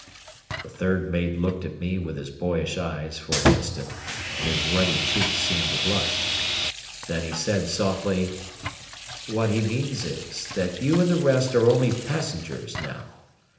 The third mate looked at me with his boyish eyes for an instant, and his ruddy cheeks seemed to blush. Then he said softly: "What he means is, that you and the rest are only passengers, now.